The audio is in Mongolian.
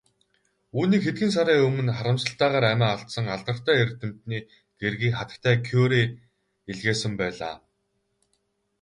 Үүнийг хэдхэн сарын өмнө харамсалтайгаар амиа алдсан алдартай эрдэмтний гэргий хатагтай Кюре илгээсэн байлаа.